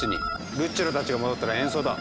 ルッチョラたちが戻ったら演奏だ。